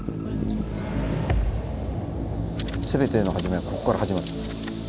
全ての始まりはここから始まる。